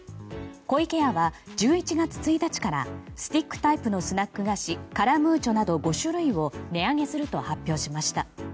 湖池屋は１１月１日からスティックタイプのスナック菓子カラムーチョなど５種類を値上げすると発表しました。